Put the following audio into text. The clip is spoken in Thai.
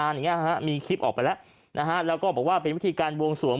อย่างเงี้ฮะมีคลิปออกไปแล้วนะฮะแล้วก็บอกว่าเป็นวิธีการบวงสวง